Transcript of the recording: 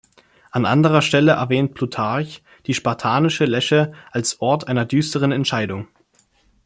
An anderer Stelle erwähnt Plutarch die spartanische Lesche als Ort einer düsteren Entscheidung.